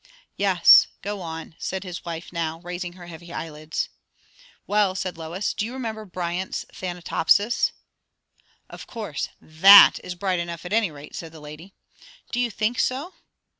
"Yes, go on," said his wife now, raising her heavy eyelids. "Well," said Lois. "Do you remember Bryant's 'Thanatopsis'?" "Of course. That is bright enough at any rate," said the lady. "Do you think so?"